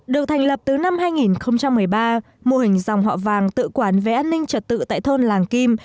được thành lập từ năm hai nghìn một mươi ba mô hình dòng họ vàng tự quản về an ninh trật tự tại thôn làng kim